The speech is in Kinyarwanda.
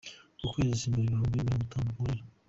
Ku kwezi simbura ibihumbi miringo itatu nkorera.